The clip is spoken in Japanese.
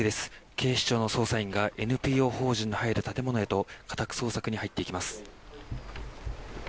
警視庁の捜査員がＮＰＯ法人の入る建物へと家宅捜索に入っていきます。